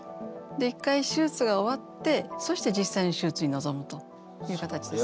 一回手術が終わってそして実際の手術に臨むというかたちです。